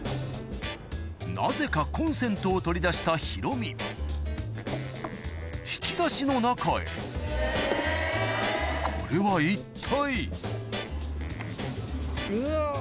なぜかコンセントを取り出したヒロミ引き出しの中へこれは一体？